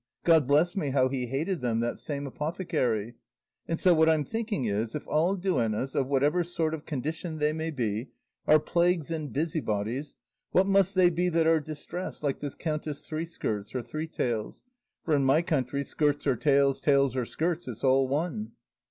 God bless me, how he hated them, that same apothecary! And so what I'm thinking is, if all duennas, of whatever sort or condition they may be, are plagues and busybodies, what must they be that are distressed, like this Countess Three skirts or Three tails! for in my country skirts or tails, tails or skirts, it's all one."